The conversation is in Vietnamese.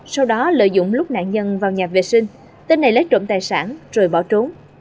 sau đó lợi dụng lúc nạn nhân vào nhà vệ sinh tên này lấy trộm tài sản rồi bỏ trốn